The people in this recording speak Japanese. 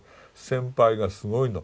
先輩がすごいの。